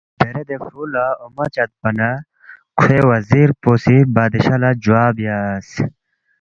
دیرے دے فرُو لہ اوما چدپا نہ کھوے وزیر پو سی بادشاہ لہ جوا بیاس،